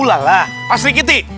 ulalah pastri kitty